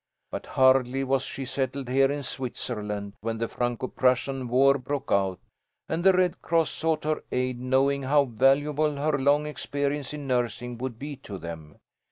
But hardly was she settled here in Switzerland when the Franco Prussian war broke out, and the Red Cross sought her aid, knowing how valuable her long experience in nursing would be to them.